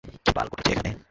কি বাল ঘটেছে এখানে?